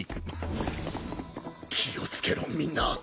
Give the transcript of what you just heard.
気を付けろみんな